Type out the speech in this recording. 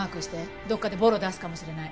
どっかでボロを出すかもしれない。